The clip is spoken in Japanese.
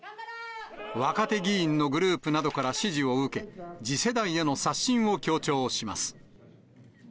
若手議員のグループなどから支持を受け、次世代への刷新を強調します。